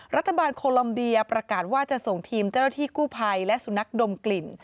รัฐบาลโคลอมเดียประกาศว่าจะส่งทีมเจ้าหน้าที่กู้ภัยและสุนัขดมกลิ่น